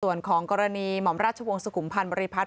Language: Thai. ส่วนของกรณีหม่อมราชวงศ์สุขุมพันธ์บริพัฒน